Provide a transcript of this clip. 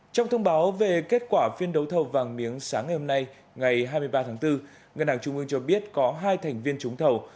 trong thông báo về kết quả phiên đấu thầu vàng miếng sáng ngày hôm nay ngày hai mươi ba tháng bốn ngân hàng trung ương cho biết có hai thành viên trúng thầu